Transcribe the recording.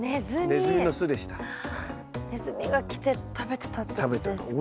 ネズミが来て食べてたってことですか？